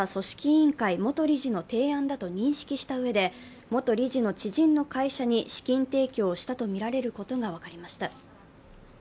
委員会元理事の提案だと認識したうえで、元理事の知人の会社に資金提供をしたとみられることが分かりました。